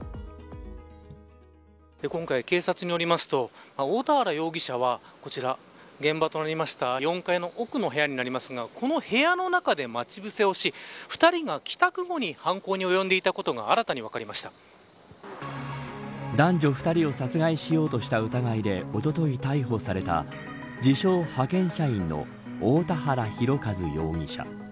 今回、警察によりますと大田原容疑者は、こちら現場となりました４階の奥の部屋になりますがこの部屋の中で待ち伏せをし２人が帰宅後に犯行に及んでいたことが男女２人を殺害しようとした疑いでおととい逮捕された自称、派遣社員の大田原広和容疑者。